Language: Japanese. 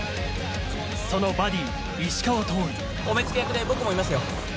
そのバディお目付け役で僕もいますよ。